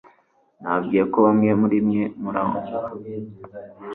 Nababwiye ko bamwe muri mwe murangwa